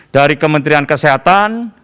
dari kementerian kesehatan